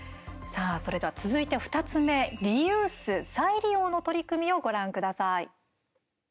さあ、それでは続いて２つ目リユース、再利用の取り組みをご覧ください。